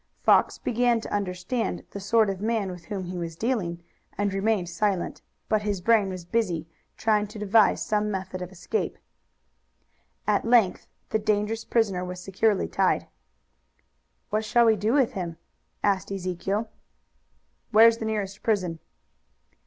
Fox began to understand the sort of man with whom he was dealing and remained silent, but his brain was busy trying to devise some method of escape. At length the dangerous prisoner was securely tied. "What shall we do with him?" asked Ezekiel. "Where's the nearest prison?"